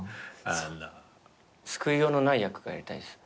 救いようのない役がやりたいっす。